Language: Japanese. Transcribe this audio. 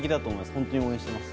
本当に応援しています。